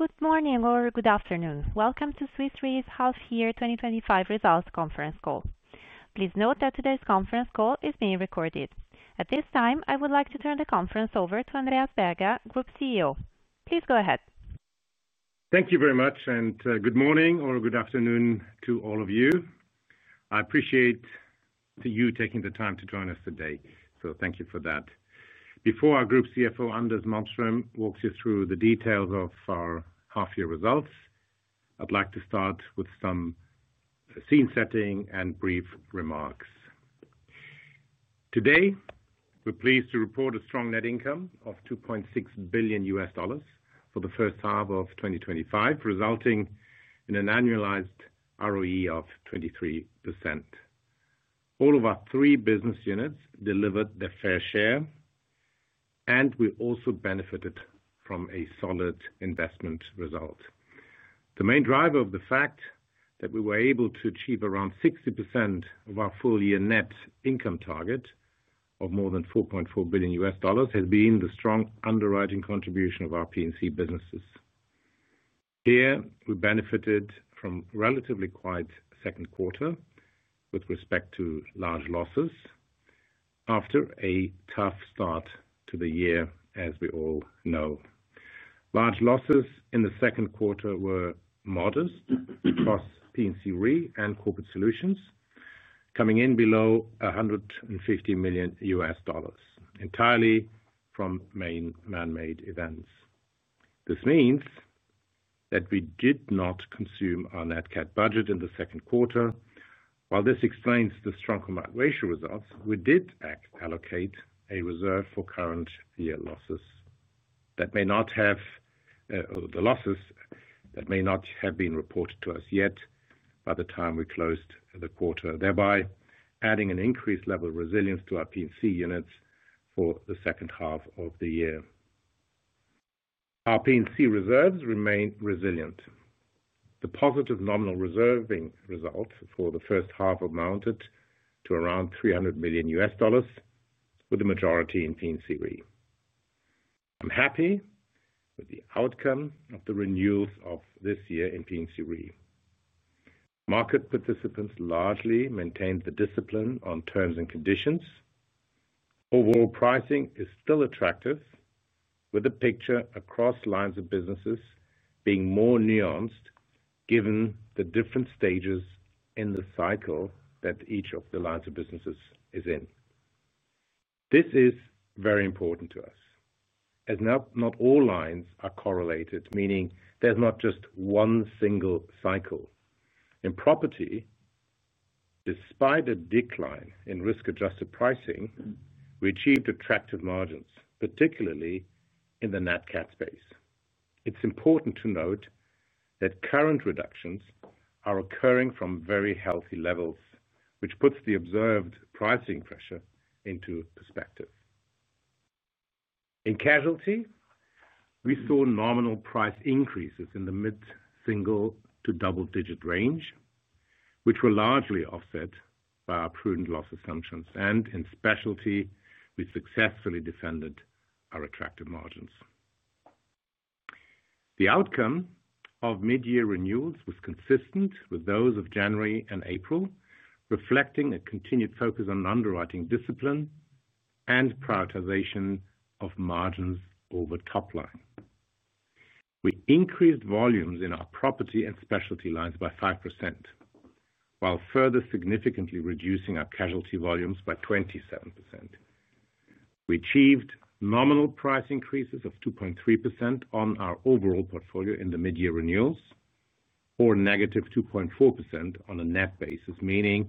Good morning or good afternoon. Welcome to Swiss Re's Half-Year 2025 Results Conference Call. Please note that today's conference call is being recorded. At this time, I would like to turn the conference over to Andreas Berger, Group CEO. Please go ahead. Thank you very much, and good morning or good afternoon to all of you. I appreciate you taking the time to join us today, so thank you for that. Before our Group CFO, Anders Malmström, walks you through the details of our half-year results, I'd like to start with some scene-setting and brief remarks. Today, we're pleased to report a strong net income of $2.6 billion for the first half of 2025, resulting in an annualized ROE of 23%. All of our three business units delivered their fair share, and we also benefited from a solid investment result. The main driver of the fact that we were able to achieve around 60% of our full-year net income target of more than $4.4 billion has been the strong underwriting contribution of our P&C businesses. Here, we benefited from a relatively quiet second quarter with respect to large losses after a tough start to the year, as we all know. Large losses in the second quarter were modest across P&C Re and Corporate Solutions, coming in below $150 million, entirely from main man-made events. This means that we did not consume nat cat budget in the second quarter. While this explains the strong combined ratio results, we did allocate a reserve for current year losses that may not have, or the losses that may not have been reported to us yet by the time we closed the quarter, thereby adding an increased level of resilience to our P&C units for the second half of the year. Our P&C reserves remain resilient. The positive nominal reserving result for the first half amounted to around $300 million, with the majority in P&C Re. I'm happy with the outcome of the renewals of this year in P&C Re. Market participants largely maintained the discipline on terms and conditions. Overall pricing is still attractive, with the picture across lines of businesses being more nuanced given the different stages in the cycle that each of the lines of businesses is in. This is very important to us, as not all lines are correlated, meaning there's not just one single cycle. In property, despite a decline in risk-adjusted pricing, we achieved attractive margins, particularly in the net-cat space. It's important to note that current reductions are occurring from very healthy levels, which puts the observed pricing pressure into perspective. In casualty, we saw nominal price increases in the mid-single to double-digit range, which were largely offset by our prudent loss assumptions, and in specialty, we successfully defended our attractive margins. The outcome of mid-year renewals was consistent with those of January and April, reflecting a continued focus on underwriting discipline and prioritization of margins over top line. We increased volumes in our property and specialty lines by 5%, while further significantly reducing our casualty volumes by 27%. We achieved nominal price increases of 2.3% on our overall portfolio in the mid-year renewals, or -2.4% on a net basis, meaning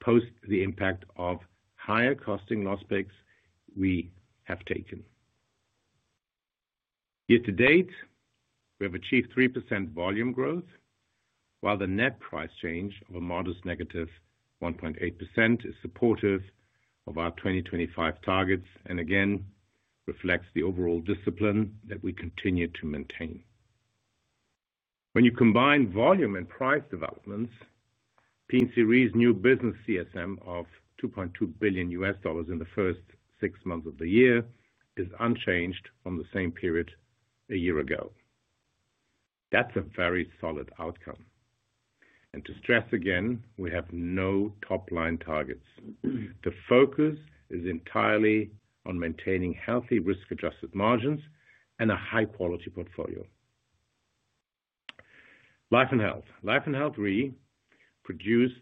post the impact of higher costing loss breaks we have taken. Year to date, we have achieved 3% volume growth, while the net price change of a modest -1.8% is supportive of our 2025 targets and again reflects the overall discipline that we continue to maintain. When you combine volume and price developments, P&C Re's new business CSM of $2.2 billion in the first six months of the year is unchanged from the same period a year ago. That's a very solid outcome. To stress again, we have no top-line targets. The focus is entirely on maintaining healthy risk-adjusted margins and a high-quality portfolio. Life and Health. Life and Health Re produced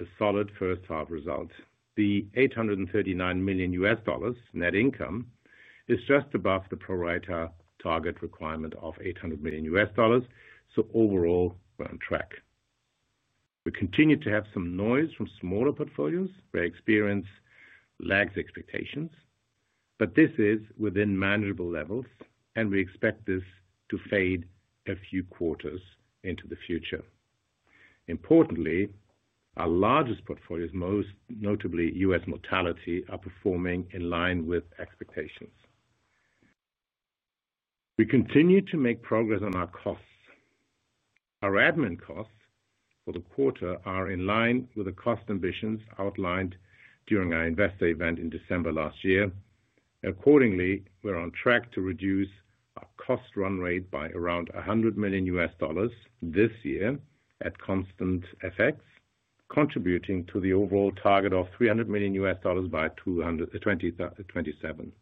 a solid first-half result. The $839 million net income is just above the pro-rata target requirement of $800 million, so overall we're on track. We continue to have some noise from smaller portfolios where experience lags expectations, but this is within manageable levels, and we expect this to fade a few quarters into the future. Importantly, our largest portfolios, most notably U.S. mortality, are performing in line with expectations. We continue to make progress on our costs. Our admin costs for the quarter are in line with the cost ambitions outlined during our investor event in December last year. Accordingly, we're on track to reduce our cost run rate by around $100 million this year at constant effects, contributing to the overall target of $300 million by 2027.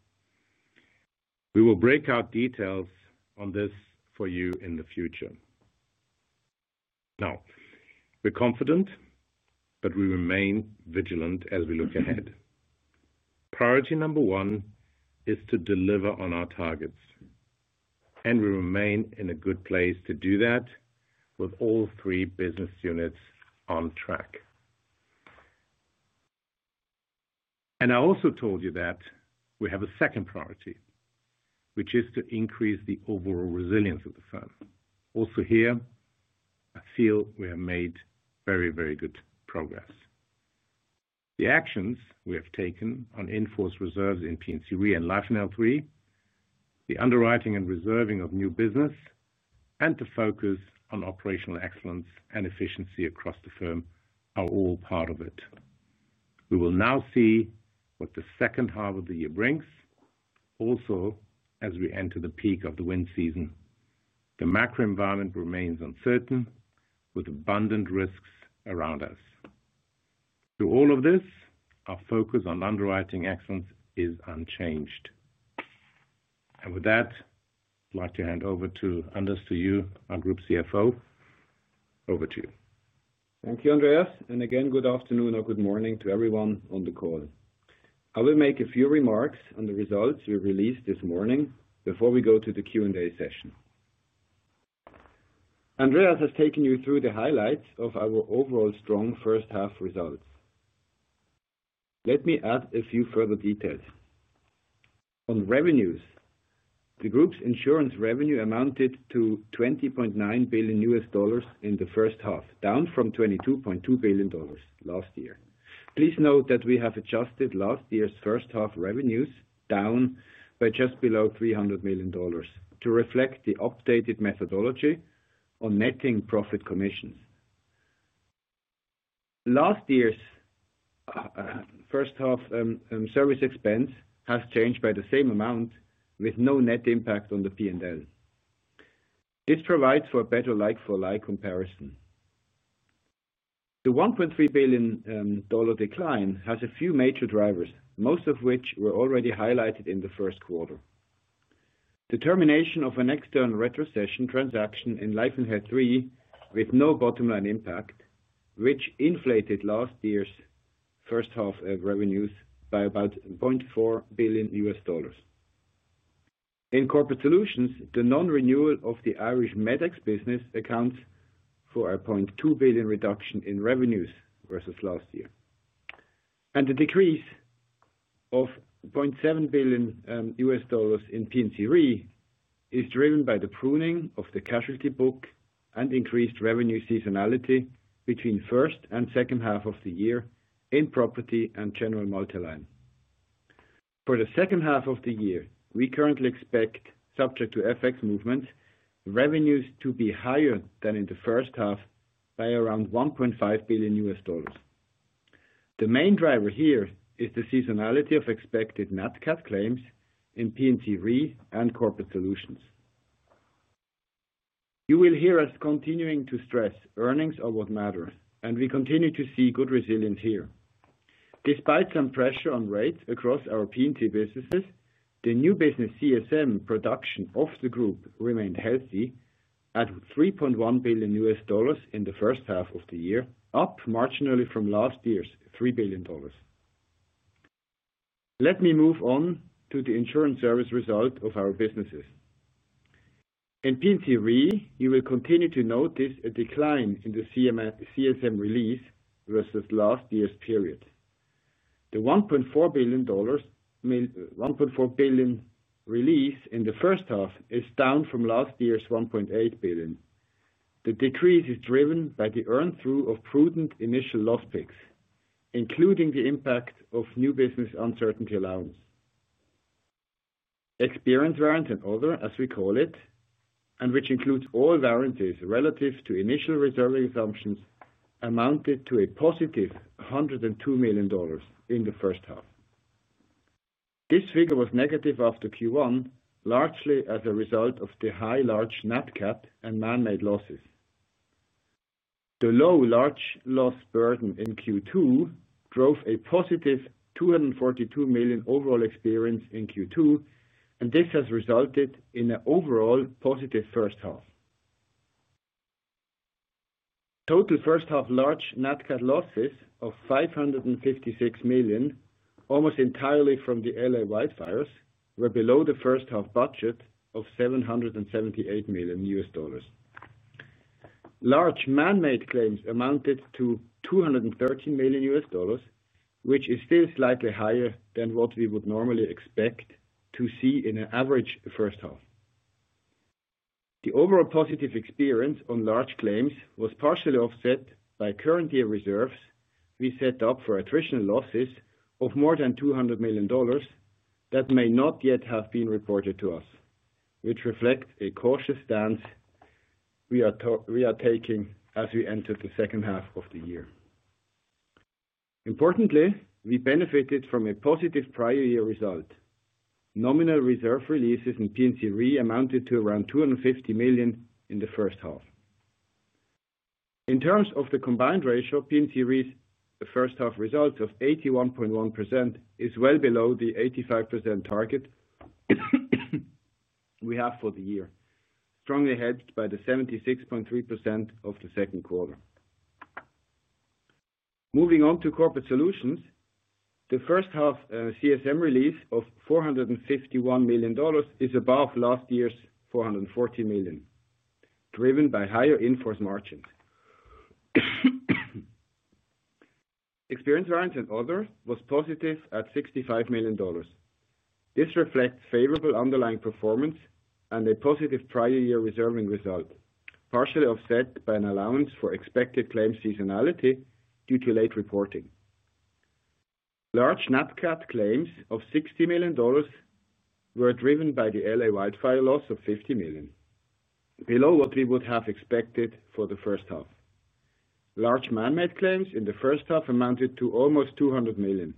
We will break out details on this for you in the future. Now, we're confident, but we remain vigilant as we look ahead. Priority number one is to deliver on our targets, and we remain in a good place to do that with all three business units on track. I also told you that we have a second priority, which is to increase the overall resilience of the firm. Here, I feel we have made very, very good progress. The actions we have taken on enforced reserves in P&C Re and Life and Health Re, the underwriting and reserving of new business, and the focus on operational excellence and efficiency across the firm are all part of it. We will now see what the second half of the year brings, also as we enter the peak of the wind season. The macro environment remains uncertain, with abundant risks around us. Through all of this, our focus on underwriting excellence is unchanged. With that, I'd like to hand over to Anders, our Group CFO. Over to you. Thank you, Andreas, and again, good afternoon or good morning to everyone on the call. I will make a few remarks on the results you released this morning before we go to the Q&A session. Andreas has taken you through the highlights of our overall strong first-half results. Let me add a few further details. On revenues, the group's insurance revenue amounted to $20.9 billion in the first half, down from $22.2 billion last year. Please note that we have adjusted last year's first-half revenues down by just below $300 million to reflect the updated methodology on netting profit commissions. Last year's first-half service expense has changed by the same amount, with no net impact on the P&L. This provides for a better like-for-like comparison. The $1.3 billion decline has a few major drivers, most of which were already highlighted in the first quarter. The termination of an external retrocession transaction in Life and Health Re with no bottom-line impact, which inflated last year's first-half revenues by about $0.4 billion. In Corporate Solutions, the non-renewal of the Irish Medex business accounts for a $0.2 billion reduction in revenues versus last year. The decrease of $0.7 billion in P&C Re is driven by the pruning of the casualty book and increased revenue seasonality between first and second half of the year in property and general multi-line. For the second half of the year, we currently expect, subject to FX movements, revenues to be higher than in the first half by around $1.5 billion. The main driver here is the seasonality of nat cat claims in P&C Re and Corporate Solutions. You will hear us continuing to stress earnings are what matter, and we continue to see good resilience here. Despite some pressure on rates across our P&C businesses, the new business CSM production of the group remained healthy at $3.1 billion in the first half of the year, up marginally from last year's $3 billion. Let me move on to the insurance service result of our businesses. In P&C Re, you will continue to note a decline in the CSM release versus last year's period. The $1.4 billion release in the first half is down from last year's $1.8 billion. The decrease is driven by the earned through of prudent initial loss picks, including the impact of new business uncertainty allowance. Experience variance and other, as we call it, and which includes all variances relative to initial reserving assumptions, amounted to a +$102 million in the first half. This figure was negative after Q1, largely as a result of the high nat cat and man-made losses. The low large loss burden in Q2 drove a +$242 million overall experience in Q2, and this has resulted in an overall positive first half. Total first-half nat cat losses of $556 million, almost entirely from the LA wildfires, were below the first-half budget of $778 million. Large man-made claims amounted to $213 million, which is still slightly higher than what we would normally expect to see in an average first half. The overall positive experience on large claims was partially offset by current year reserves we set up for attritional losses of more than $200 million that may not yet have been reported to us, which reflects a cautious stance we are taking as we enter the second half of the year. Importantly, we benefited from a positive prior year result. Nominal reserve releases in P&C Re amounted to around $250 million in the first half. In terms of the combined ratio of P&C Re's first-half result of 81.1% is well below the 85% target we have for the year, strongly ahead by the 76.3% of the second quarter. Moving on to Corporate Solutions, the first-half CSM release of $451 million is above last year's $440 million, driven by higher invoice margins. Experience variance and other was positive at $65 million. This reflects favorable underlying performance and a positive prior year reserving result, partially offset by an allowance for expected claims seasonality due to late reporting. nat cat claims of $60 million were driven by the L.A. wildfire loss of $50 million, below what we would have expected for the first half. Large man-made claims in the first half amounted to almost $200 million,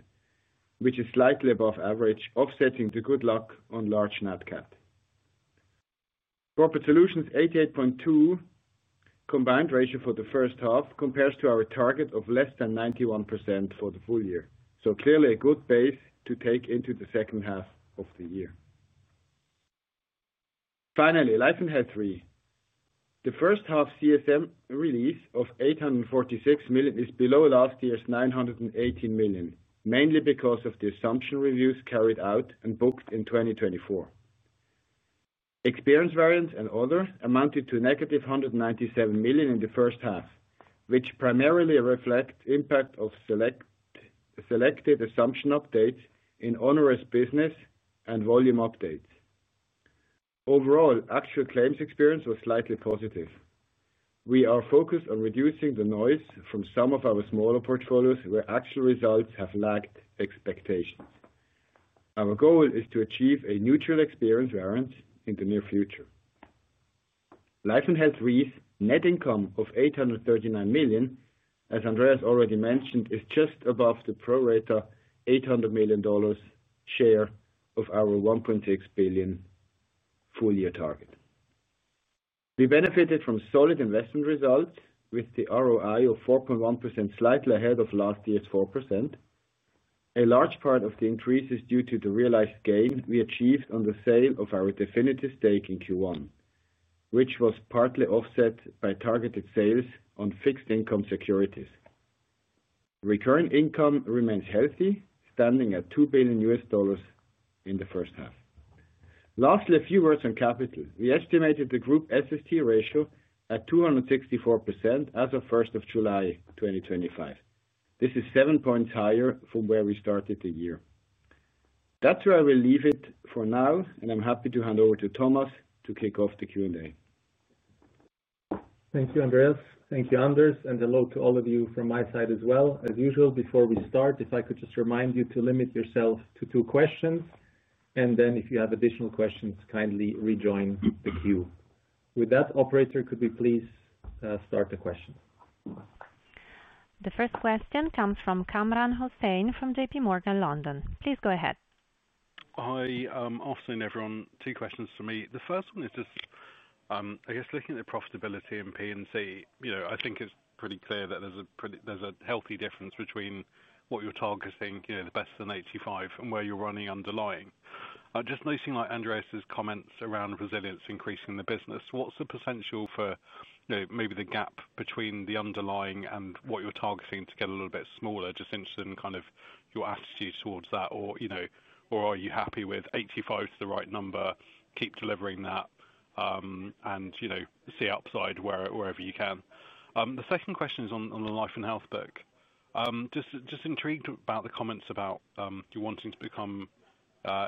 which is slightly above average, offsetting the good luck on nat cat. corporate Solutions' 88.2% combined ratio for the first half compares to our target of less than 91% for the full year, so clearly a good base to take into the second half of the year. Finally, Life and Health Re, the first-half CSM release of $846 million is below last year's $918 million, mainly because of the assumption reviews carried out and booked in 2024. Experience variance and other amounted to a -$197 million in the first half, which primarily reflects the impact of selected assumption updates in onerous business and volume updates. Overall, actual claims experience was slightly positive. We are focused on reducing the noise from some of our smaller portfolios where actual results have lagged expectations. Our goal is to achieve a neutral experience variance in the near future. Life and Health Re's net income of $839 million, as Andreas already mentioned, is just above the pro-rata $800 million share of our $1.6 billion full-year target. We benefited from solid investment results with the ROI of 4.1%, slightly ahead of last year's 4%. A large part of the increase is due to the realized gain we achieved on the sale of our definitive stake in Q1, which was partly offset by targeted sales on fixed income securities. Recurring income remains healthy, standing at $2 billion in the first half. Lastly, a few words on capital. We estimated the group SST ratio at 264% as of 1st of July, 2025. This is seven points higher from where we started the year. That's where I will leave it for now, and I'm happy to hand over to Thomas to kick off the Q&A. Thank you, Andreas. Thank you, Anders, and hello to all of you from my side as well. As usual, before we start, if I could just remind you to limit yourself to two questions, and if you have additional questions, kindly rejoin the queue. With that, operator, could we please start the question? The first question comes from Kamran Hossain from JPMorgan London. Please go ahead. Hi, Officer and everyone. Two questions for me. The first one is just, I guess, looking at the profitability in P&C, you know, I think it's pretty clear that there's a pretty, there's a healthy difference between what you're targeting, you know, the best in the 85%, and where you're running underlying. Just noticing, like, Andreas's comments around resilience increasing the business. What's the potential for, you know, maybe the gap between the underlying and what you're targeting to get a little bit smaller? Just interested in kind of your attitude towards that, or, you know, or are you happy with 85% to the right number, keep delivering that, and, you know, see upside wherever you can? The second question is on the Life and Health book. Just intrigued about the comments about, you wanting to become,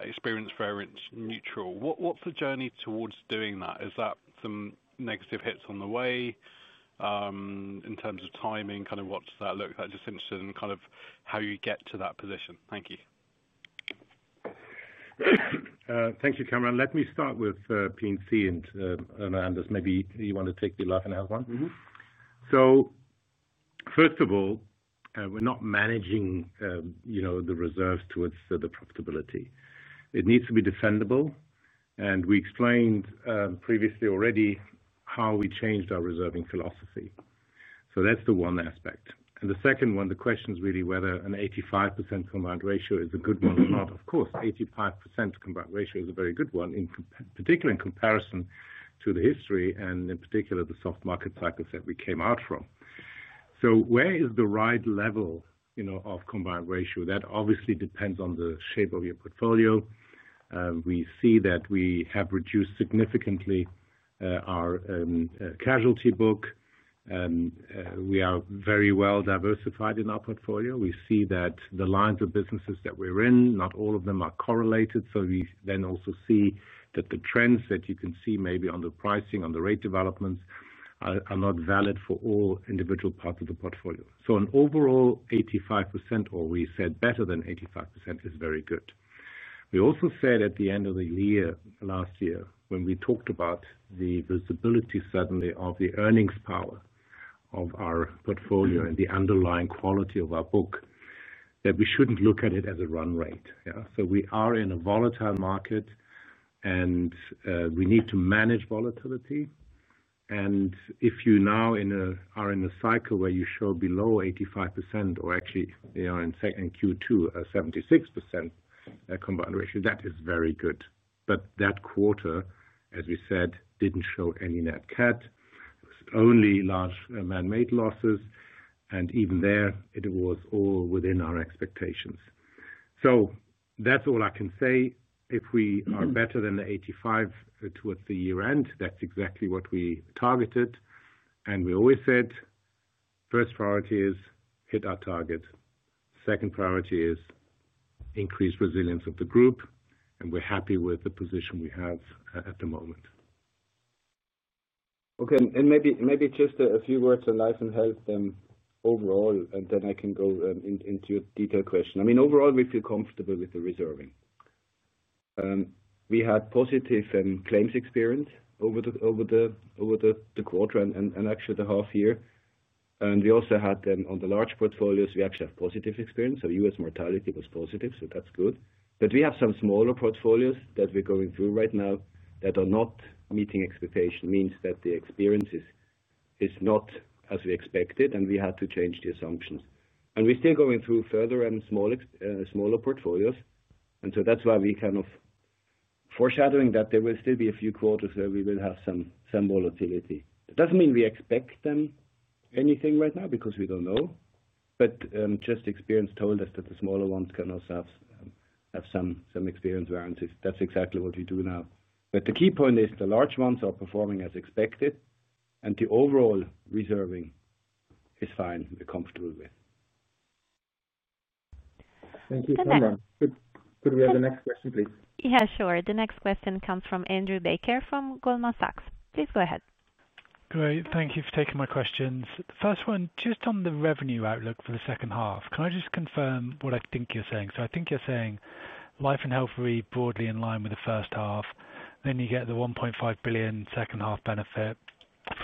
experience variance neutral. What's the journey towards doing that? Is that some negative hits on the way, in terms of timing? Kind of what does that look like? Just interested in kind of how you get to that position. Thank you. Thank you, Kamran. Let me start with P&C, and Anders, maybe you want to take the life and health one? Mm-hmm. First of all, we're not managing the reserves towards the profitability. It needs to be defendable, and we explained previously already how we changed our reserving philosophy. That's the one aspect. The second one, the question is really whether an 85% combined ratio is a good one or not. Of course, 85% combined ratio is a very good one, in particular in comparison to the history and in particular the soft-market cycles that we came out from. Where is the right level of combined ratio? That obviously depends on the shape of your portfolio. We see that we have reduced significantly our casualty book. We are very well diversified in our portfolio. We see that the lines of businesses that we're in, not all of them are correlated. We then also see that the trends that you can see maybe on the pricing, on the rate developments are not valid for all individual parts of the portfolio. An overall 85%, or we said better than 85%, is very good. We also said at the end of the year, last year, when we talked about the visibility suddenly of the earnings power of our portfolio and the underlying quality of our book, that we shouldn't look at it as a run rate. We are in a volatile market, and we need to manage volatility. If you now are in a cycle where you show below 85%, or actually, in Q2, a 76% combined ratio, that is very good. That quarter, as we said, didn't show nat cat. it was only large man-made losses, and even there, it was all within our expectations. That's all I can say. If we are better than the 85% towards the year end, that's exactly what we targeted. We always said, first priority is hit our target. Second priority is increase resilience of the group, and we're happy with the position we have at the moment. Okay, and maybe just a few words on Life and Health overall, and then I can go into a detailed question. I mean, overall, we feel comfortable with the reserving. We had positive claims experience over the quarter and actually the half year, and we also had them on the large portfolios. We actually have positive experience, so U.S. mortality was positive, so that's good. We have some smaller portfolios that we're going through right now that are not meeting expectations, means that the experience is not as we expected, and we had to change the assumptions. We're still going through further and smaller portfolios, and that's why we kind of foreshadowing that there will still be a few quarters where we will have some volatility. It doesn't mean we expect them anything right now because we don't know, but just experience told us that the smaller ones can also have some experience variances. That's exactly what we do now. The key point is the large ones are performing as expected, and the overall reserving is fine, we're comfortable with. Thank you, Kamran. Could we have the next question, please? Sure. The next question comes from Andrew Baker from Goldman Sachs. Please go ahead. Great, thank you for taking my questions. The first one, just on the revenue outlook for the second half, can I just confirm what I think you're saying? I think you're saying Life and Health Re broadly in line with the first half, then you get the $1.5 billion second half benefit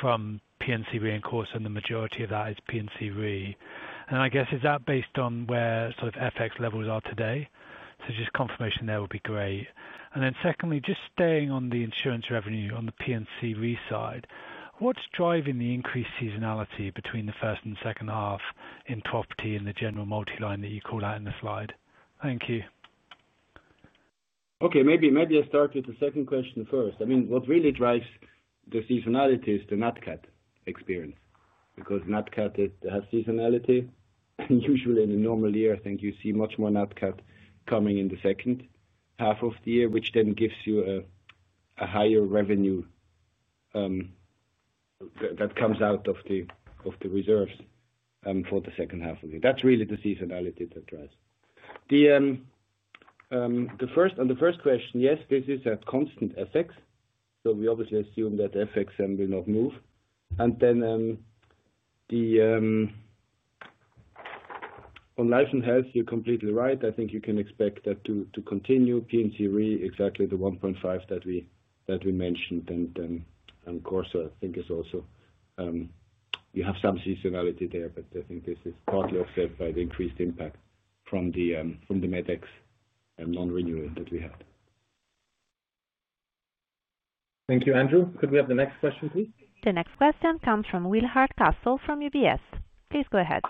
from P&C Re in course, and the majority of that is P&C Re. I guess is that based on where sort of FX levels are today? Just confirmation there would be great. Secondly, just staying on the insurance revenue on the P&C Re side, what's driving the increased seasonality between the first and second half in property and the general multi-line that you call out in the slide? Thank you. Okay, maybe I'll start with the second question first. What really drives the seasonality is nat cat experience nat cat has seasonality. Usually in a normal year, you see much nat cat coming in the second half of the year, which gives you a higher revenue that comes out of the reserves for the second half of the year. That's really the seasonality that drives. On the first question, yes, this is a constant FX, so we obviously assume that the FX will not move. On Life and Health, you're completely right. You can expect that to continue. P&C Re, exactly the $1.5 billion that we mentioned. On Corporate Solutions, you have some seasonality there, but this is partly offset by the increased impact from the medics and non-renewing that we had. Thank you, Andrew. Could we have the next question, please? The next question comes from Will Hardcastle from UBS. Please go ahead.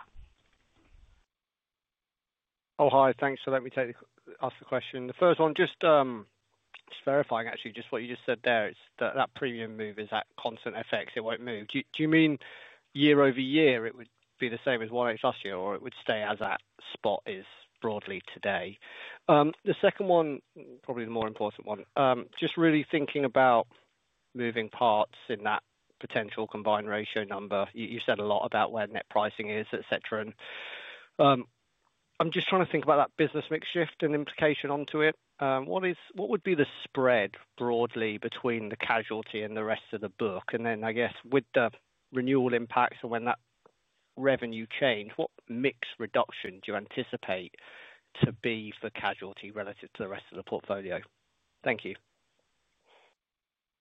Oh, hi, thanks for letting me take the question. The first one, just verifying, actually, just what you just said there, is that that premium move is at constant FX. It won't move. Do you mean year-over-year, it would be the same as YX last year, or it would stay as that spot is broadly today? The second one, probably the more important one, just really thinking about moving parts in that potential combined ratio number. You said a lot about where net pricing is, et cetera. I'm just trying to think about that business mix shift and implication onto it. What would be the spread broadly between the casualty and the rest of the book? I guess with the renewal impacts and when that revenue change, what mix reduction do you anticipate to be for casualty relative to the rest of the portfolio? Thank you.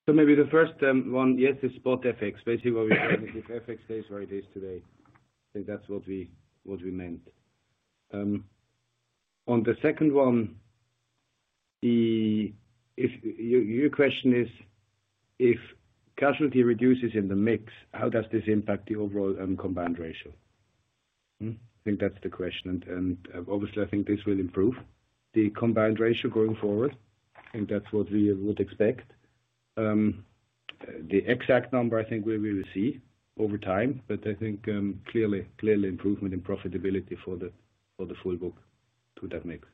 Maybe the first one, yes, it's spot FX. Basically, what we've done is if FX stays where it is today, I think that's what we meant. On the second one, your question is if casualty reduces in the mix, how does this impact the overall combined ratio? I think that's the question. Obviously, I think this will improve the combined ratio going forward. I think that's what we would expect. The exact number, I think we will see over time, but I think clearly, clearly improvement in profitability for the full book through that mix.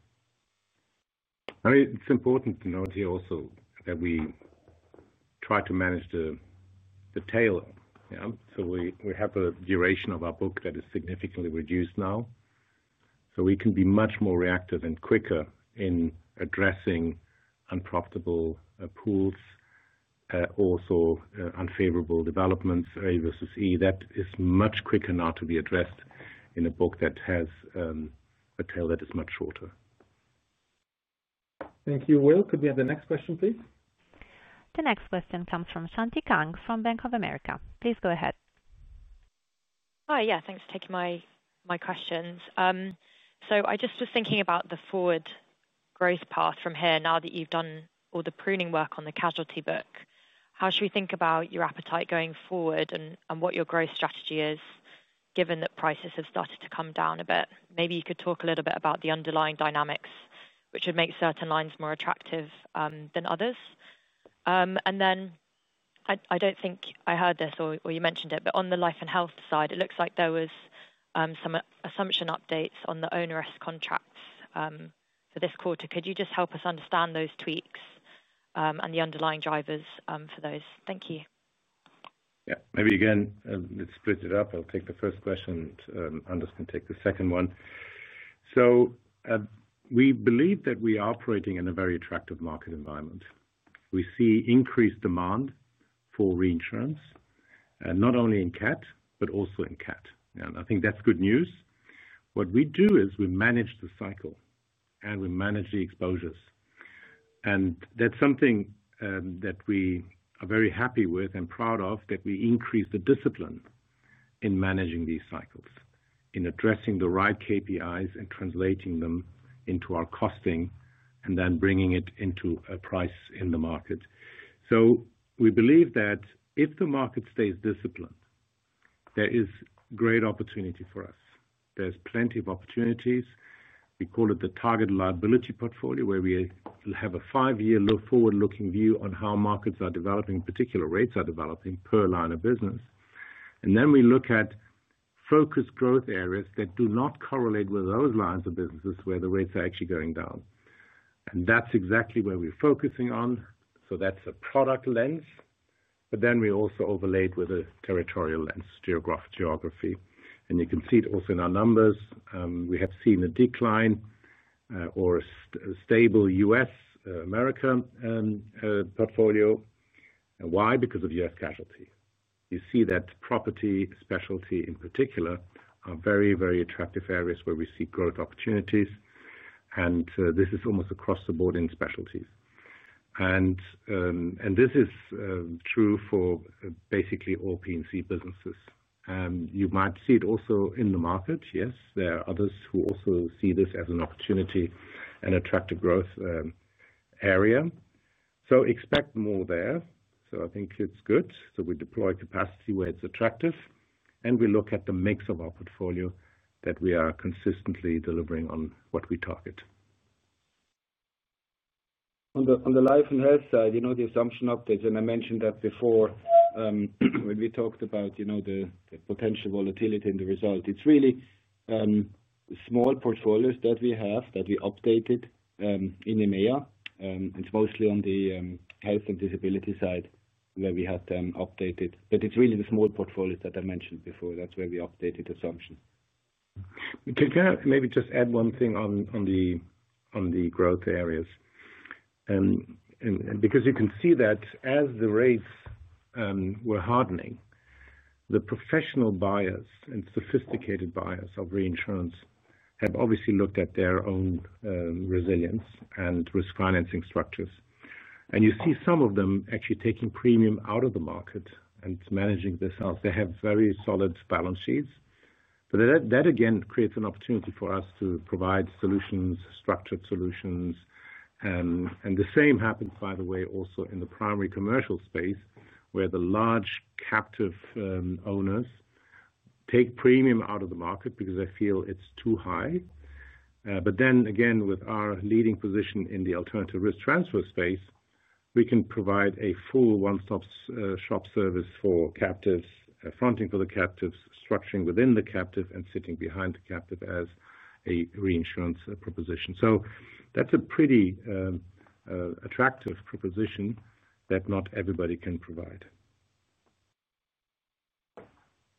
It's important to note here also that we try to manage the tail. We have a duration of our book that is significantly reduced now, so we can be much more reactive and quicker in addressing unprofitable pools or unfavorable developments, A versus E. That is much quicker now to be addressed in a book that has a tail that is much shorter. Thank you, Wil. Could we have the next question, please? The next question comes from Shanti Kang from Bank of America. Please go ahead. Hi, yeah, thanks for taking my questions. I just was thinking about the forward growth path from here. Now that you've done all the pruning work on the casualty book, how should we think about your appetite going forward and what your growth strategy is, given that prices have started to come down a bit? Maybe you could talk a little bit about the underlying dynamics, which would make certain lines more attractive than others. I don't think I heard this or you mentioned it, but on the Life and Health side, it looks like there were some assumption updates on the onerous contracts for this quarter. Could you just help us understand those tweaks and the underlying drivers for those? Thank you. Yeah, maybe again, let's split it up. I'll take the first question. Anders can take the second one. We believe that we are operating in a very attractive market environment. We see increased demand for reinsurance, not only in cat, but also in cat. I think that's good news. What we do is we manage the cycle and we manage the exposures. That's something that we are very happy with and proud of, that we increase the discipline in managing these cycles, in addressing the right KPIs and translating them into our costing and then bringing it into a price in the market. We believe that if the market stays disciplined, there is great opportunity for us. There's plenty of opportunities. We call it the target liability portfolio, where we have a five-year look forward-looking view on how markets are developing, particular rates are developing per line of business. We look at focused growth areas that do not correlate with those lines of businesses where the rates are actually going down. That's exactly where we're focusing on. That's a product lens, but then we also overlay it with a territorial and geography. You can see it also in our numbers. We have seen a decline or a stable U.S. America portfolio. Why? Because of U.S. casualty. You see that property specialty in particular are very, very attractive areas where we see growth opportunities. This is almost across the board in specialties. This is true for basically all P&C businesses. You might see it also in the market. Yes, there are others who also see this as an opportunity and attractive growth area. Expect more there. I think it's good. We deploy capacity where it's attractive. We look at the mix of our portfolio that we are consistently delivering on what we target. On the Life and Health side, you know, the assumption updates, and I mentioned that before when we talked about, you know, the potential volatility in the result, it's really small portfolios that we have that we updated in EMEA. It's mostly on the health and disability side where we had them updated. It's really the small portfolios that I mentioned before. That's where we updated assumption. Maybe just add one thing on the growth areas. As you can see, as the rates were hardening, the professional buyers and sophisticated buyers of reinsurance have obviously looked at their own resilience and risk financing structures. You see some of them actually taking premium out of the market and managing this out. They have very solid balance sheets. That again creates an opportunity for us to provide solutions, structured solutions. The same happens, by the way, also in the primary commercial space where the large captive owners take premium out of the market because they feel it's too high. With our leading position in the alternative risk transfer space, we can provide a full one-stop shop service for captives, fronting for the captives, structuring within the captive, and sitting behind the captive as a reinsurance proposition. That's a pretty attractive proposition that not everybody can provide.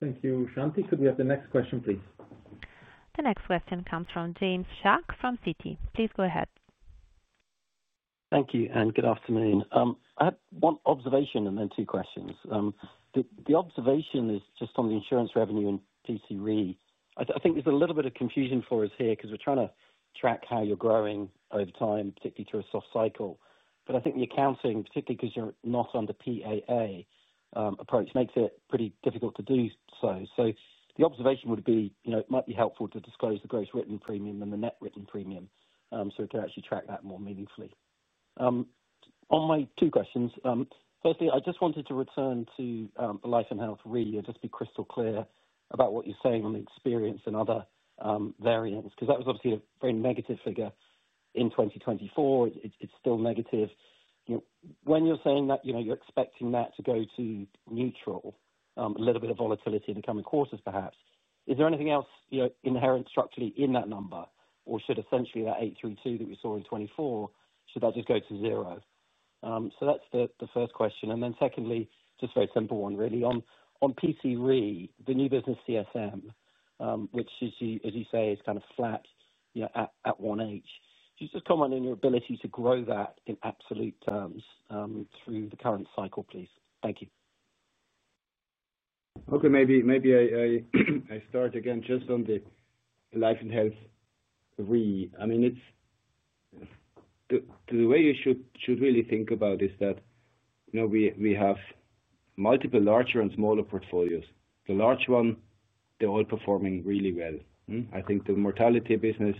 Thank you, Shanti. Could we have the next question, please? The next question comes from James Shuck from Citi. Please go ahead. Thank you, and good afternoon. I have one observation and then two questions. The observation is just on the insurance revenue in P&C Re. I think there's a little bit of confusion for us here because we're trying to track how you're growing over time, particularly through a soft cycle. I think the accounting, particularly because you're not under PAA approach, makes it pretty difficult to do so. The observation would be, you know, it might be helpful to disclose the gross written premium and the net written premium so we can actually track that more meaningfully. On my two questions, firstly, I just wanted to return to the Life and Health Re and just be crystal clear about what you're saying on the experience and other variance, because that was obviously a very negative figure in 2024. It's still negative. When you're saying that you're expecting that to go to neutral, a little bit of volatility in the coming quarters, perhaps. Is there anything else inherent structurally in that number, or should essentially that $832 million that we saw in 2024, should that just go to zero? That's the first question. Secondly, just a very simple one really, on P&C Re, the new business CSM, which is, as you say, is kind of flat at 1H. Could you just comment on your ability to grow that in absolute terms through the current cycle, please? Thank you. Okay, maybe I start again just on the Life and Health Re. I mean, it's the way you should really think about it is that, you know, we have multiple larger and smaller portfolios. The large ones, they're all performing really well. I think the mortality business,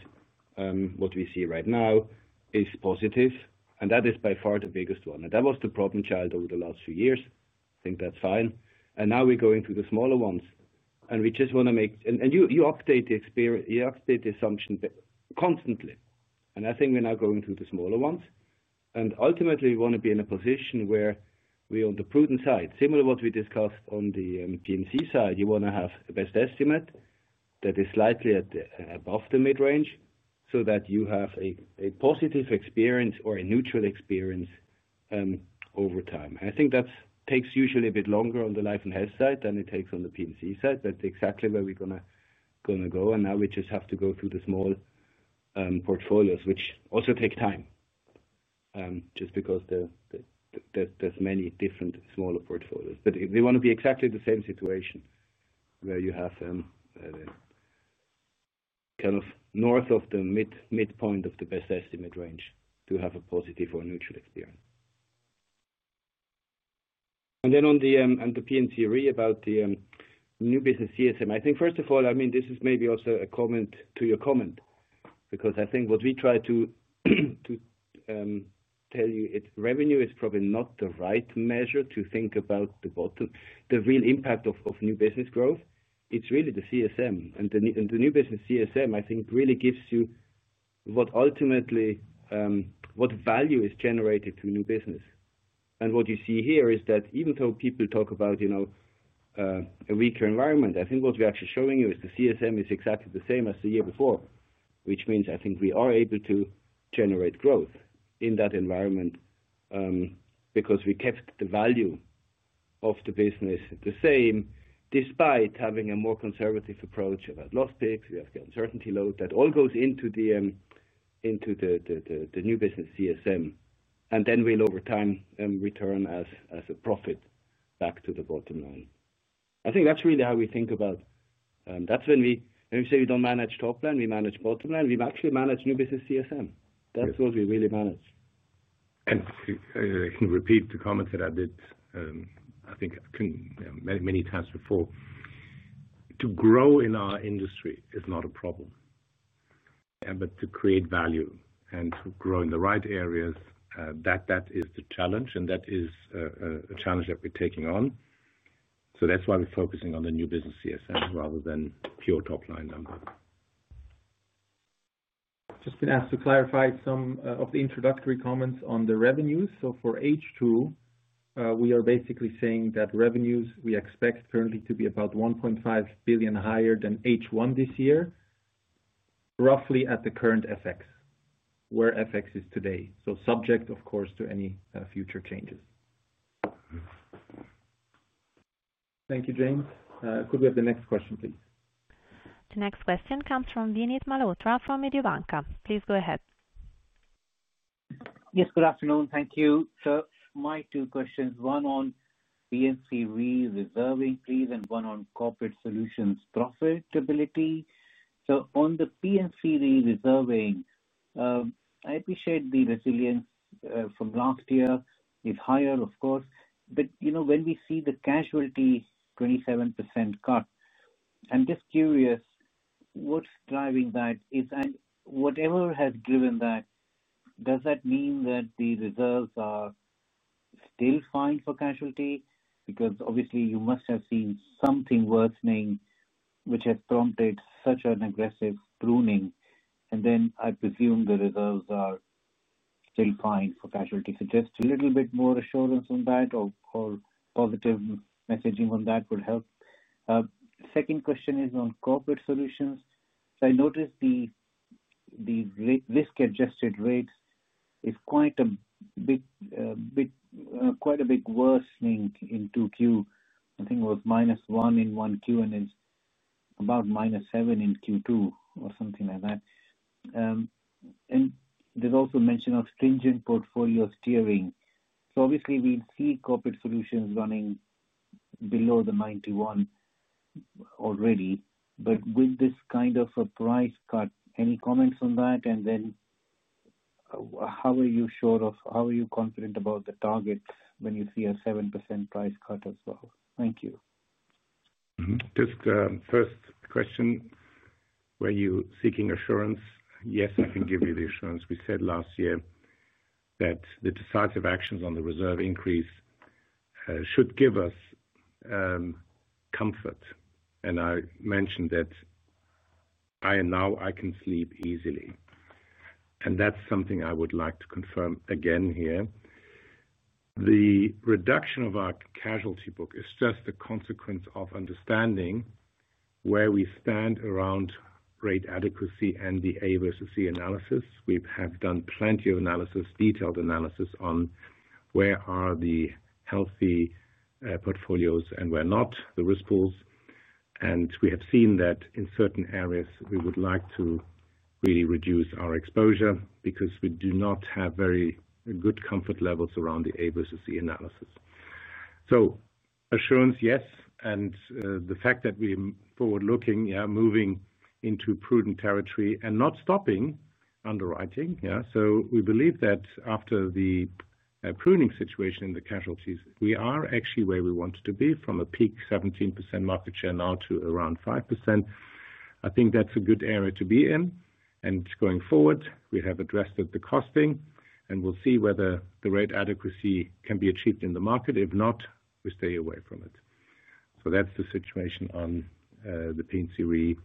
what we see right now, is positive, and that is by far the biggest one. That was the problem child over the last few years. I think that's fine. Now we're going through the smaller ones, and we just want to make, and you update the experience, you update the assumption constantly. I think we're now going through the smaller ones, and ultimately we want to be in a position where we're on the prudent side. Similar to what we discussed on the P&C side, you want to have a best estimate that is slightly above the mid-range so that you have a positive experience or a neutral experience over time. I think that takes usually a bit longer on the Life and Health side than it takes on the P&C side, but it's exactly where we're going to go. Now we just have to go through the small portfolios, which also take time, just because there's many different smaller portfolios. We want to be exactly in the same situation where you have kind of north of the midpoint of the best estimate range to have a positive or neutral experience. On the P&C Re, about the new business CSM, I think first of all, I mean, this is maybe also a comment to your comment because I think what we try to tell you is revenue is probably not the right measure to think about the bottom. The real impact of new business growth, it's really the CSM. The new business CSM, I think, really gives you what ultimately, what value is generated through new business. What you see here is that even though people talk about, you know, a weaker environment, I think what we're actually showing you is the CSM is exactly the same as the year before, which means I think we are able to generate growth in that environment because we kept the value of the business the same despite having a more conservative approach about loss picks. We have the uncertainty load that all goes into the new business CSM. That will, over time, return as a profit back to the bottom line. I think that's really how we think about it, that's when we say we don't manage top line, we manage bottom line, we actually manage new business CSM. That's what we really manage. I can repeat the comments that I did, I think I've done many times before. To grow in our industry is not a problem. To create value and to grow in the right areas, that is the challenge, and that is a challenge that we're taking on. That's why we're focusing on the new business CSM rather than pure top line numbers. Just going to ask to clarify some of the introductory comments on the revenues. For H2, we are basically saying that revenues we expect currently to be about $1.5 billion higher than H1 this year, roughly at the current FX, where FX is today. Subject, of course, to any future changes. Thank you, James. Could we have the next question, please? The next question comes from Vinit Malhotra from Mediobanca. Please go ahead. Yes, good afternoon. Thank you. My two questions, one on P&C Re reserving, please, and one on Corporate Solutions profitability. On the P&C Re reserving, I appreciate the resilience from last year. It's higher, of course. When we see the casualty 27% cut, I'm just curious, what's driving that? Whatever has driven that, does that mean that the reserves are still fine for casualty? Obviously you must have seen something worsening, which has prompted such an aggressive pruning. I presume the reserves are still fine for casualty. A little bit more assurance on that or positive messaging on that would help. The second question is on Corporate Solutions. I noticed the risk-adjusted rates are quite a bit, quite a big worsening in Q2. I think it was -1% in Q1 and is about -7% in Q2 or something like that. There's also mention of stringent portfolio steering. We see Corporate Solutions running below the 91 already. Will this kind of a price cut—any comments on that? How are you sure of, how are you confident about the target when you see a 7% price cut as well? Thank you. Just first question, were you seeking assurance? Yes, I can give you the assurance. We said last year that the decisive actions on the reserve increase should give us comfort. I mentioned that I now can sleep easily, and that's something I would like to confirm again here. The reduction of our casualty book is just the consequence of understanding where we stand around rate adequacy and the A versus C analysis. We have done plenty of analysis, detailed analysis on where are the healthy portfolios and where not, the risk pools. We have seen that in certain areas we would like to really reduce our exposure because we do not have very good comfort levels around the A versus C analysis. Assurance, yes. The fact that we are forward-looking, moving into prudent territory and not stopping underwriting. We believe that after the pruning situation in the casualties, we are actually where we wanted to be from a peak 17% market share now to around 5%. I think that's a good area to be in. Going forward, we have addressed the costing and we'll see whether the rate adequacy can be achieved in the market. If not, we stay away from it. That's the situation on the P&C Re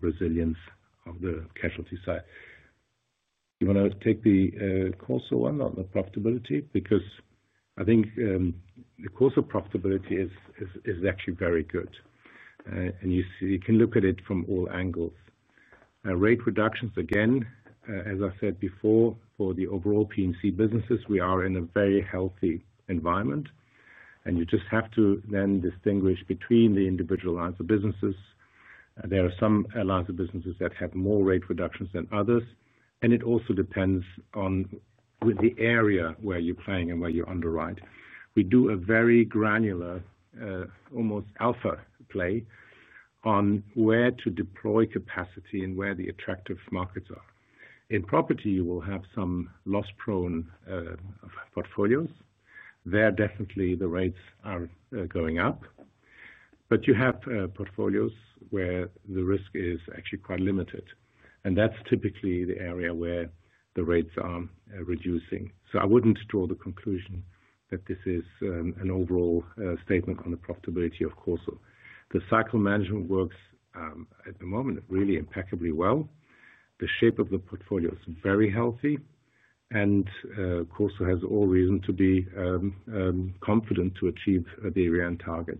resilience on the casualty side. Do you want to take the course on the profitability? I think the course of profitability is actually very good, and you can look at it from all angles. Rate reductions, again, as I said before, for the overall P&C businesses, we are in a very healthy environment. You just have to then distinguish between the individual lines of businesses. There are some lines of businesses that have more rate reductions than others, and it also depends on the area where you're playing and where you underwrite. We do a very granular, almost alpha play on where to deploy capacity and where the attractive markets are. In property, you will have some loss-prone portfolios. There definitely the rates are going up, but you have portfolios where the risk is actually quite limited, and that's typically the area where the rates are reducing. I wouldn't draw the conclusion that this is an overall statement on the profitability of CorSo. The cycle management works at the moment really impeccably well. The shape of the portfolio is very healthy, and CorSo has all reason to be confident to achieve the year-end target.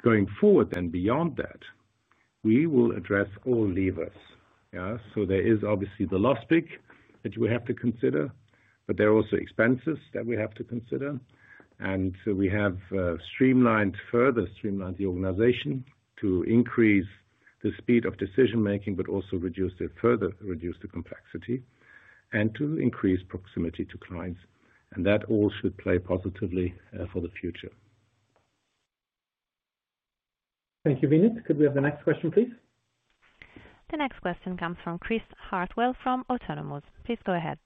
Going forward then beyond that, we will address all levers. There is obviously the loss pick that we have to consider, but there are also expenses that we have to consider. We have further streamlined the organization to increase the speed of decision-making, but also further reduced complexity and to increase proximity to clients. That all should play positively for the future. Thank you, Vinit. Could we have the next question, please? The next question comes from Chris Hartwell from Autonomous. Please go ahead.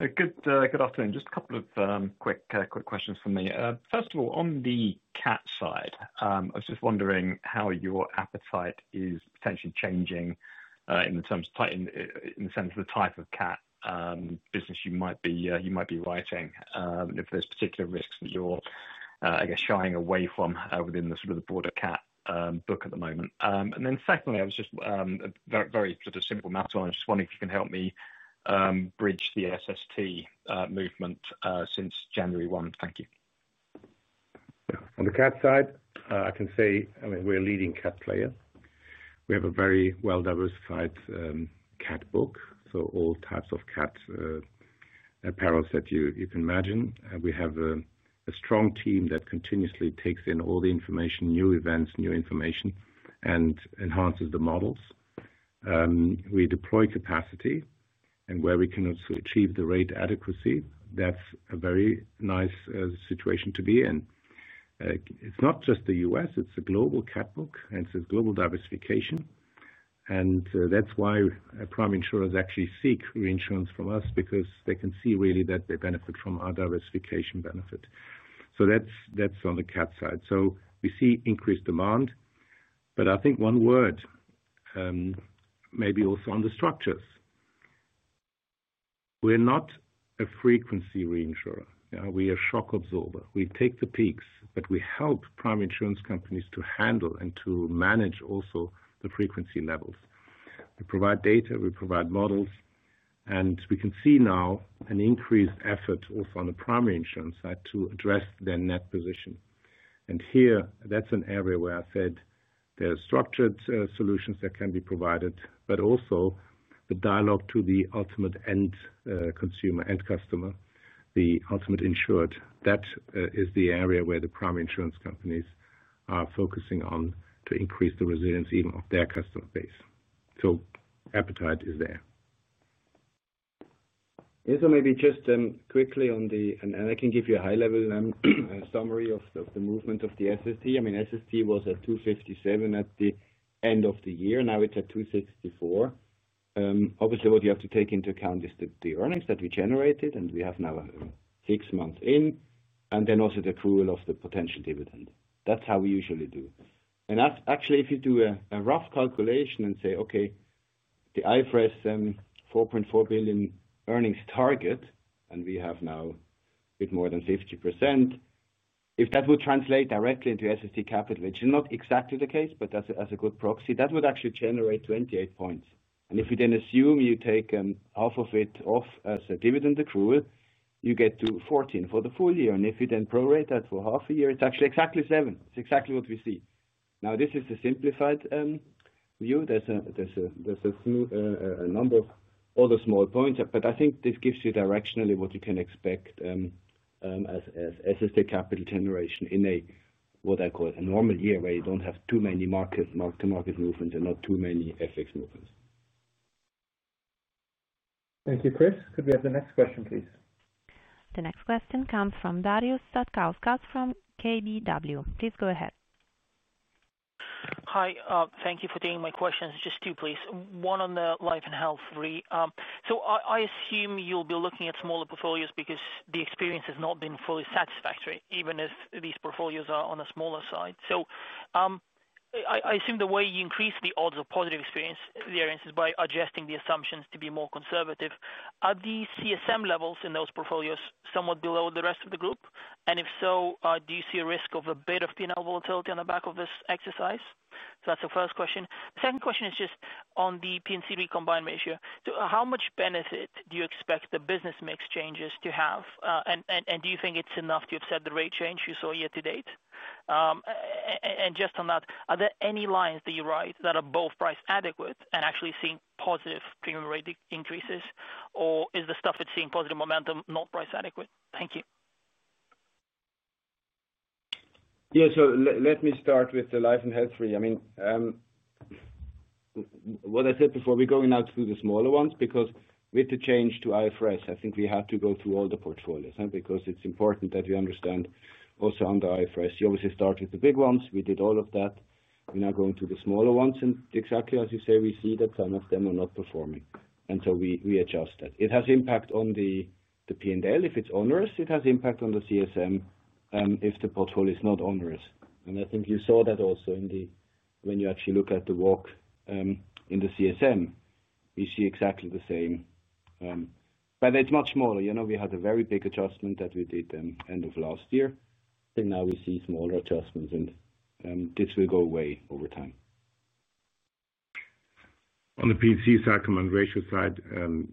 Good afternoon. Just a couple of quick questions from me. First of all, on the cat side, I was just wondering how your appetite is potentially changing in terms of the type of cat business you might be writing for those particular risks that you're shying away from within the broader cat book at the moment. Secondly, I was just a very simple math one. I was just wondering if you can help me bridge the SST movement since January 1. Thank you. On the cat side, I can say, I mean, we're a leading cat player. We have a very well-diversified cat book, so all types of cat perils that you can imagine. We have a strong team that continuously takes in all the information, new events, new information, and enhances the models. We deploy capacity, and where we can also achieve the rate adequacy, that's a very nice situation to be in. It's not just the U.S., it's a global cat book, and it's a global diversification. That's why prime insurers actually seek reinsurance from us, because they can see really that they benefit from our diversification benefit. That's on the cat side. We see increased demand. I think one word may be also on the structures. We're not a frequency reinsurer. We are a shock absorber. We take the peaks, but we help prime insurance companies to handle and to manage also the frequency levels. We provide data, we provide models, and we can see now an increased effort also on the primary insurance side to address their net position. That's an area where I said there are structured solutions that can be provided, but also the dialogue to the ultimate end consumer, end customer, the ultimate insured. That is the area where the primary insurance companies are focusing on to increase the resilience even of their customer base. Appetite is there. Yes, maybe just quickly on the, I can give you a high-level summary of the movement of the SST. SST was at $257 million at the end of the year. Now it's at $264 million. Obviously, what you have to take into account is the earnings that we generated, and we have now six months in, and then also the accrual of the potential dividend. That's how we usually do it. Actually, if you do a rough calculation and say, okay, the IFRS $4.4 billion earnings target, and we have now a bit more than 50%, if that would translate directly into SST capital, which is not exactly the case, but as a good proxy, that would actually generate 28 points. If you then assume you take half of it off as a dividend accrual, you get to 14 for the full year. If you then prorate that for half a year, it's actually exactly seven. It's exactly what we see. This is the simplified view. There's a few, a number of other small points, but I think this gives you directionally what you can expect as SST capital generation in a, what I call, a normal year where you don't have too many market-to-market movements and not too many FX movements. Thank you, Chris. Could we have the next question, please? The next question comes from Darius Satkauskas from KBW. Please go ahead. Hi, thank you for taking my questions. Just two, please. One on the Life and Health Re. I assume you'll be looking at smaller portfolios because the experience has not been fully satisfactory, even if these portfolios are on the smaller side. I assume the way you increase the odds of positive experience variance is by adjusting the assumptions to be more conservative. Are the CSM levels in those portfolios somewhat below the rest of the group? If so, do you see a risk of a bit of P&L volatility on the back of this exercise? That's the first question. The second question is just on the P&C Re combined ratio. How much benefit do you expect the business mix changes to have? Do you think it's enough to offset the rate change you saw year-to-date? On that, are there any lines that you write that are both price adequate and actually seeing positive premium rate increases? Or is the stuff that's seeing positive momentum not price adequate? Thank you. Yeah, so let me start with the Life and Health Re. I mean, what I said before, we're going out through the smaller ones because with the change to IFRS, I think we had to go through all the portfolios because it's important that we understand also under IFRS. You obviously start with the big ones. We did all of that. We're now going to the smaller ones. Exactly as you say, we see that some of them are not performing, and so we adjust that. It has impact on the P&L. If it's onerous, it has impact on the CSM, and if the portfolio is not onerous. I think you saw that also when you actually look at the walk in the CSM, you see exactly the same, but it's much smaller. We had a very big adjustment that we did end of last year, and now we see smaller adjustments. This will go away over time. On the P&C cycle and ratio side,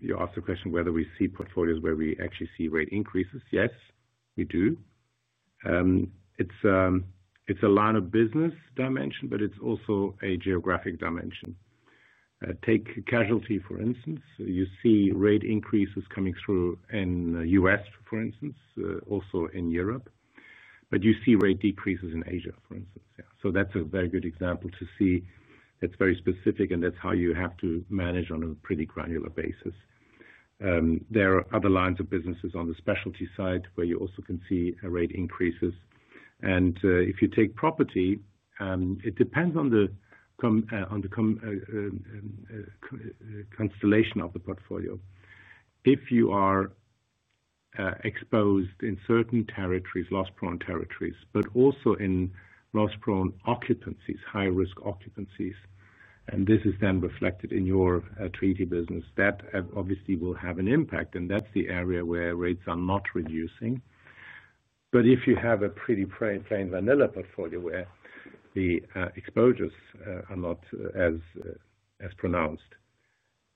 you asked the question whether we see portfolios where we actually see rate increases. Yes, we do. It's a line of business dimension, but it's also a geographic dimension. Take casualty, for instance. You see rate increases coming through in the U.S., for instance, also in Europe. You see rate decreases in Asia, for instance. That's a very good example to see. It's very specific, and that's how you have to manage on a pretty granular basis. There are other lines of businesses on the specialty side where you also can see rate increases. If you take property, it depends on the constellation of the portfolio. If you are exposed in certain territories, loss-prone territories, but also in loss-prone occupancies, high-risk occupancies, and this is then reflected in your treaty business, that obviously will have an impact. That's the area where rates are not reducing. If you have a pretty plain vanilla portfolio where the exposures are not as pronounced,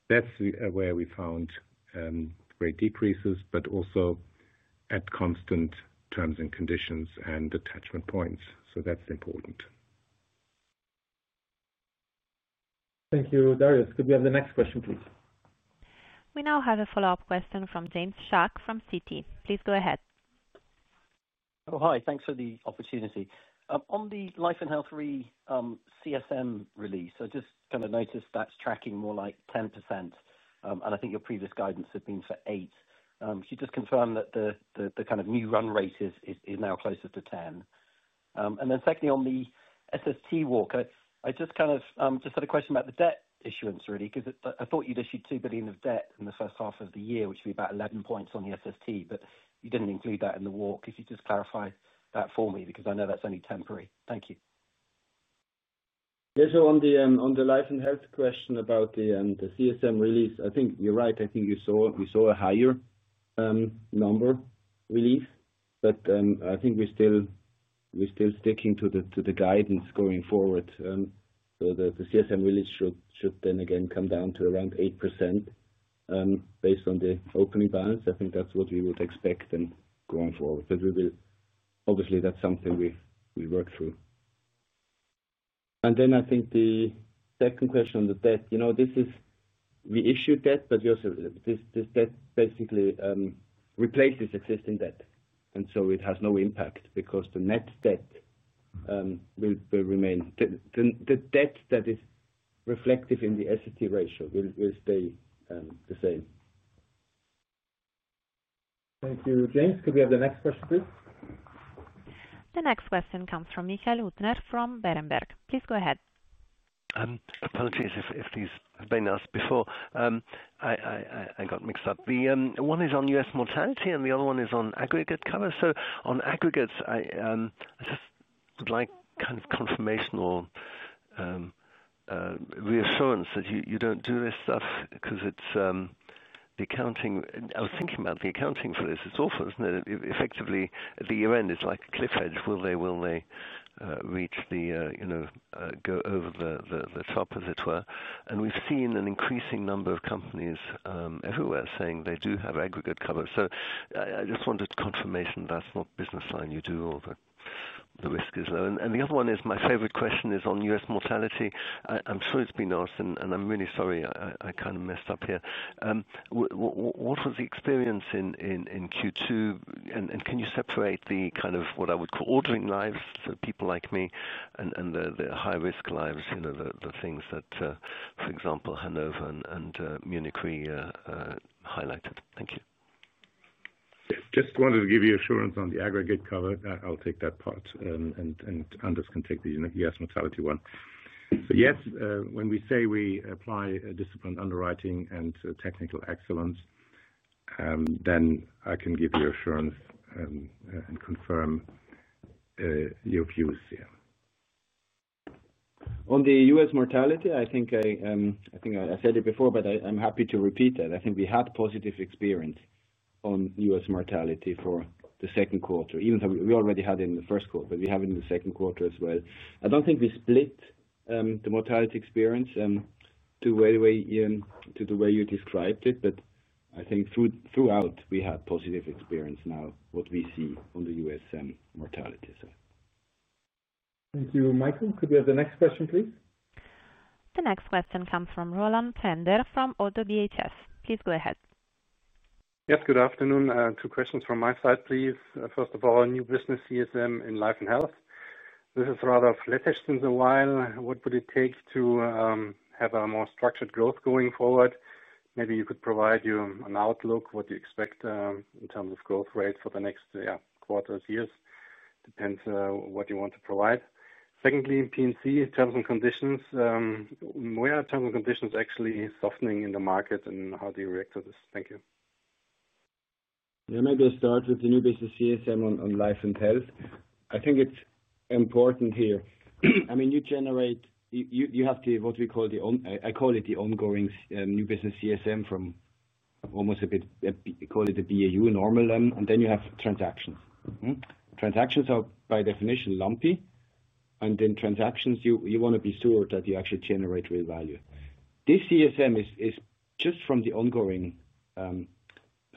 that's where we found rate decreases, but also at constant terms and conditions and attachment points. That's important. Thank you, Darius. Could we have the next question, please? We now have a follow-up question from James Shuck from Citi. Please go ahead. Hi. Thanks for the opportunity. On the Life and Health Re CSM release, I just noticed that's tracking more like 10%. I think your previous guidance had been for 8%. Could you just confirm that the new run rate is now closer to 10%? Secondly, on the SST walk, I just had a question about the debt issuance, because I thought you'd issued $2 billion of debt in the first half of the year, which would be about 11 points on the SST, but you didn't include that in the walk. Could you just clarify that for me? I know that's only temporary. Thank you. Yeah, on the Life and Health Reinsurance question about the CSM release, I think you're right. I think you saw we saw a higher number release, but I think we're still sticking to the guidance going forward. The CSM release should then again come down to around 8% based on the opening balance. I think that's what we would expect going forward, but we will obviously, that's something we work through. I think the second question on the debt, you know, we issued debt, but this debt basically replaced existing debt. It has no impact because the net debt will remain. The debt that is reflective in the SST ratio will stay the same. Thank you, James. Could we have the next question, please? The next question comes from Michael Huttner from Berenberg. Please go ahead. Apologies if these have been asked before. I got mixed up. One is on U.S. mortality and the other one is on aggregate cover. On aggregates, I just would like kind of confirmation or reassurance that you don't do this stuff because it's the accounting. I was thinking about the accounting for this. It's awful, isn't it? Effectively, the year-end is like a cliff edge. Will they reach the, you know, go over the top, as it were? We've seen an increasing number of companies everywhere saying they do have aggregate cover. I just wanted confirmation that's not business line. You do all the risk is there. The other one is my favorite question, on U.S. mortality. I'm sure it's been asked, and I'm really sorry I kind of messed up here. What was the experience in Q2? Can you separate the kind of what I would call ordering lives for people like me and the high-risk lives, you know, the things that, for example, Hanover and Munich Re highlighted? Thank you. Just wanted to give you assurance on the aggregate cover. I'll take that part. Anders can take the U.S. mortality one. Yes, when we say we apply disciplined underwriting and technical excellence, I can give you assurance and confirm your views here. On the U.S. mortality, I think I said it before, but I'm happy to repeat that. I think we had positive experience on U.S. mortality for the second quarter, even though we already had it in the first quarter, but we have it in the second quarter as well. I don't think we split the mortality experience the way you described it, but I think throughout we had positive experience now, what we see on the U.S. mortality. Thank you, Michael. Could we have the next question, please? The next question comes from Roland Pfänder from ODDO BHF. Please go ahead. Yes, good afternoon. Two questions from my side, please. First of all, new business CSM in Life and Health. This is rather flattered since a while. What would it take to have a more structured growth going forward? Maybe you could provide an outlook of what you expect in terms of growth rates for the next quarters, years. Depends what you want to provide. Secondly, P&C terms and conditions. Where are terms and conditions actually softening in the market and how do you react to this? Thank you. Yeah, maybe I'll start with the new business CSM on Life and Health. I think it's important here. I mean, you generate, you have to, what we call the, I call it the ongoing new business CSM from almost a bit, I call it a BAU normal then. Then you have transactions. Transactions are by definition lumpy. In transactions, you want to be sure that you actually generate real value. This CSM is just from the ongoing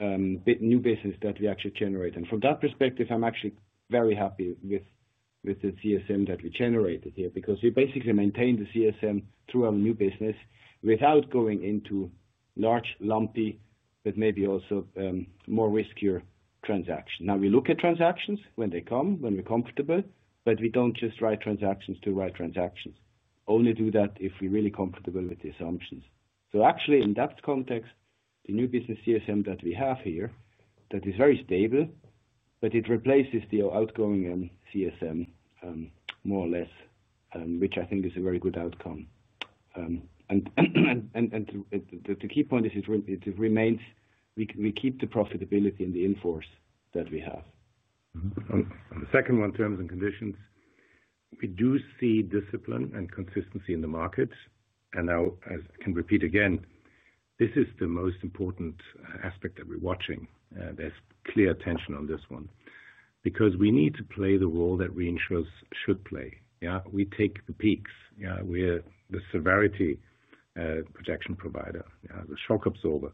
new business that we actually generate. From that perspective, I'm actually very happy with the CSM that we generated here because you basically maintain the CSM through our new business without going into large, lumpy, but maybe also more riskier transactions. Now we look at transactions when they come, when we're comfortable, but we don't just write transactions to write transactions. Only do that if we're really comfortable with the assumptions. Actually, in that context, the new business CSM that we have here is very stable, but it replaces the outgoing CSM more or less, which I think is a very good outcome. The key point is it remains, we keep the profitability in the inforce that we have. On the second one, terms and conditions, we do see discipline and consistency in the markets. As I can repeat again, this is the most important aspect that we're watching. There's clear attention on this one because we need to play the role that reinsurers should play. Yeah, we take the peaks. Yeah, we're the severity projection provider. Yeah, the shock absorber.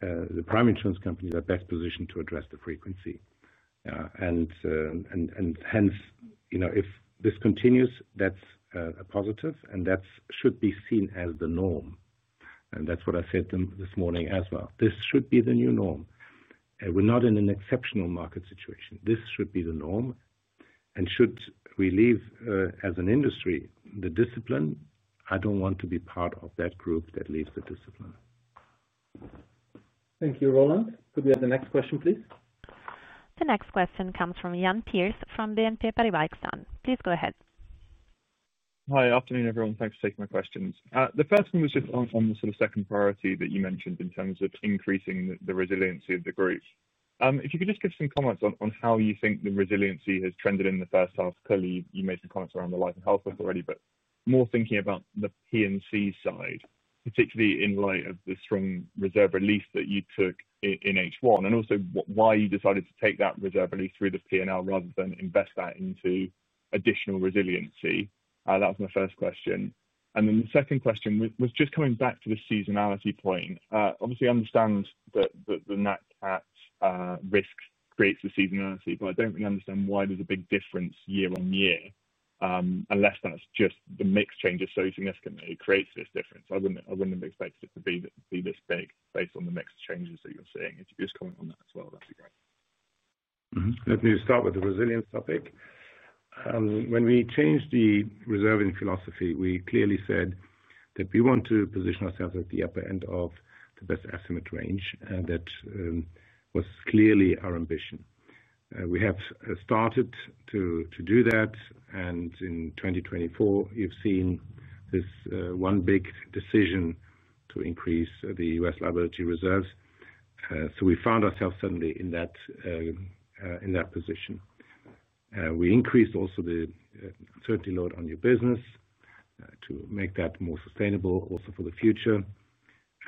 The prime insurance companies are best positioned to address the frequency. If this continues, that's a positive, and that should be seen as the norm. That's what I said this morning as well. This should be the new norm. We're not in an exceptional market situation. This should be the norm. Should we leave as an industry the discipline, I don't want to be part of that group that leaves the discipline. Thank you, Roland. Could we have the next question, please? The next question comes from Iain Pearce from BNP Paribas. Please go ahead. Hi, afternoon everyone. Thanks for taking my questions. The first one was just on the sort of second priority that you mentioned in terms of increasing the resiliency of the group. If you could just give some comments on how you think the resiliency has trended in the first half, clearly you made some comments around the Life and Health Reinsurance book already, but more thinking about the P&C side, particularly in light of the strong reserve relief that you took in H1, and also why you decided to take that reserve relief through the P&L rather than invest that into additional resiliency. That was my first question. The second question was just coming back to the seasonality point. Obviously, I understand that nat cat risk creates the seasonality, but I don't really understand why there's a big difference year-on-year, unless that's just the mix changes so significantly creates this difference. I wouldn't have expected it to be this big based on the mix changes that you're seeing. If you could just comment on that as well, that'd be great. Let me start with the resilience topic. When we changed the reserving philosophy, we clearly said that we want to position ourselves at the upper end of the best estimate range, and that was clearly our ambition. We have started to do that, and in 2024, you've seen this one big decision to increase the U.S. liability reserves. We found ourselves suddenly in that position. We increased also the uncertainty load on your business to make that more sustainable also for the future.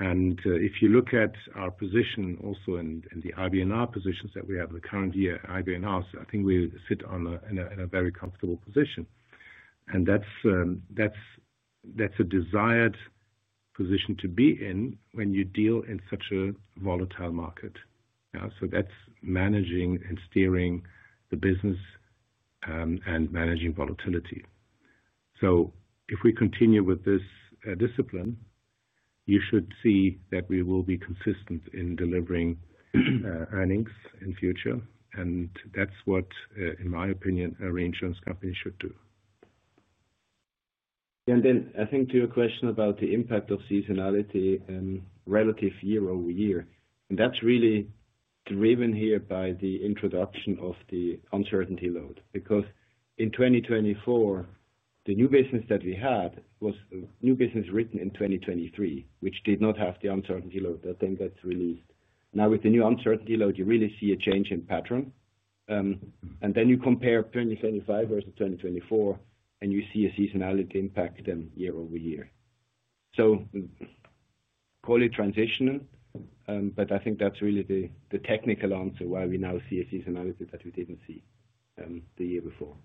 If you look at our position also in the IBNR positions that we have in the current year IBNRs, I think we sit in a very comfortable position. That's a desired position to be in when you deal in such a volatile market. That's managing and steering the business and managing volatility. If we continue with this discipline, you should see that we will be consistent in delivering earnings in the future. That's what, in my opinion, a reinsurance company should do. I think to your question about the impact of seasonality and relative year-over-year, that's really driven here by the introduction of the uncertainty load. In 2024, the new business that we had was a new business written in 2023, which did not have the uncertainty load that then gets released. Now, with the new uncertainty load, you really see a change in pattern. You compare 2025 versus 2024, and you see a seasonality impact then year-over-year. Call it transition, but I think that's really the technical answer why we now see a seasonality that we didn't see the year before.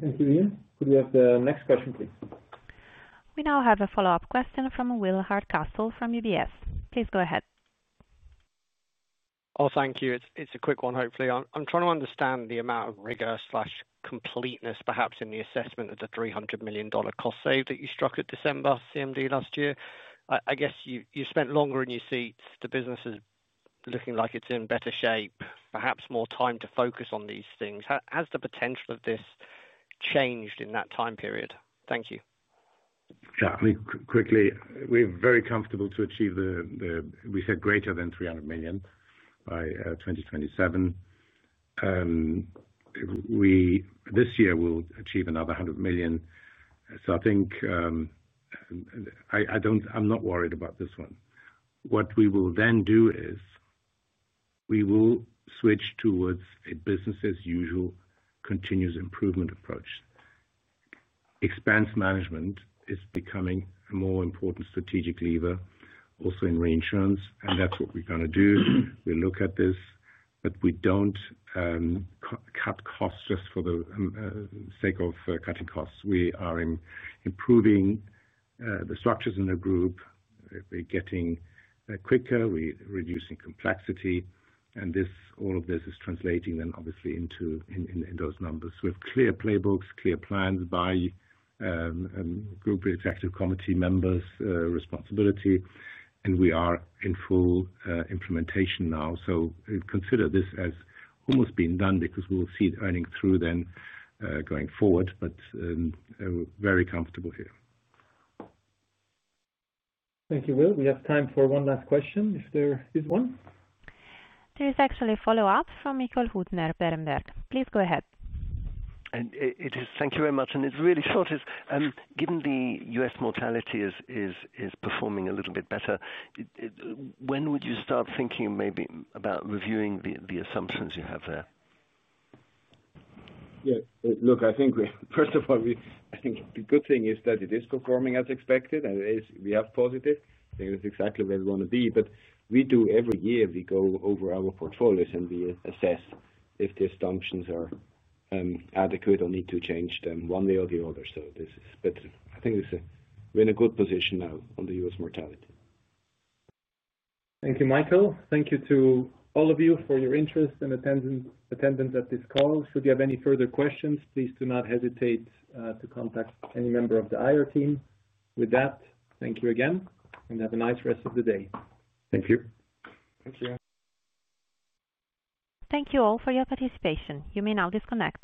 Thank you, Iain. Could we have the next question, please? We now have a follow-up question from Will Hardcastle from UBS. Please go ahead. Oh, thank you. It's a quick one, hopefully. I'm trying to understand the amount of rigor/completeness, perhaps, in the assessment of the $300 million cost save that you struck at December CMD last year. I guess you've spent longer in your seats. The business is looking like it's in better shape, perhaps more time to focus on these things. Has the potential of this changed in that time period? Thank you. Yeah, I mean, quickly, we're very comfortable to achieve the, we said greater than $300 million by 2027. This year we'll achieve another $100 million. I think I'm not worried about this one. What we will then do is we will switch towards a business as usual continuous improvement approach. Expense management is becoming a more important strategic lever also in reinsurance, and that's what we're going to do. We'll look at this, but we don't cut costs just for the sake of cutting costs. We are improving the structures in the group. We're getting quicker. We're reducing complexity. All of this is translating then obviously into those numbers. We have clear playbooks, clear plans by Group Executive Committee members' responsibility. We are in full implementation now. Consider this as almost being done because we'll see earnings through then going forward, but very comfortable here. Thank you, Will. We have time for one last question if there is one. There is actually a follow-up from Michael Huttner at Berenberg. Please go ahead. Thank you very much. It's really short. Given the U.S. mortality is performing a little bit better, when would you start thinking maybe about reviewing the assumptions you have there? Yeah, look, I think first of all, the good thing is that it is performing as expected. We have positive. I think it's exactly where we want to be. Every year, we go over our portfolios and we assess if the assumptions are adequate or need to change them one way or the other. I think we're in a good position now on the US mortality. Thank you, Michael. Thank you to all of you for your interest and attendance at this call. Should you have any further questions, please do not hesitate to contact any member of the IR team. With that, thank you again and have a nice rest of the day. Thank you. Thanks, Ian. Thank you all for your participation. You may now disconnect.